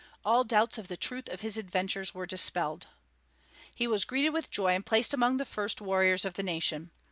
All doubts of the truth of his adventures were dispelled. He was greeted with joy and placed among the first warriors of the nation.